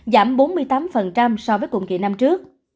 giảm bốn mươi tám so với cùng kỳ năm trước